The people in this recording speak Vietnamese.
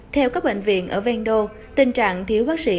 theo các bệnh viện ở vendo tình trạng thiếu bác sĩ